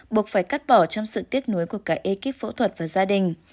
buộc phải cắt bỏ trong sự tiếc nuối của cả ekip phẫu thuật và gia đình